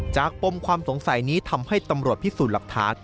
ปมความสงสัยนี้ทำให้ตำรวจพิสูจน์หลักฐาน